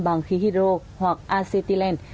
bằng khí hydro hoặc acetilene